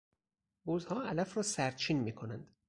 بزها علف را سرچین میکنند.